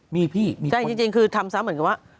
มีพี่มีแต่จริงคือทำซ้ำเหมือนกับว่า